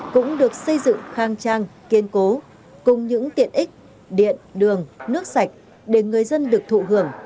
cũng được xây dựng khang trang kiên cố cùng những tiện ích điện đường nước sạch để người dân được thụ hưởng